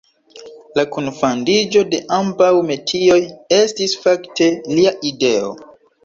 La kunfandiĝo de ambaŭ metioj estis fakte lia ideo.